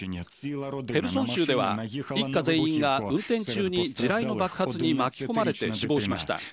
ヘルソン州では一家全員が運転中に地雷の爆発に巻き込まれて死亡しました。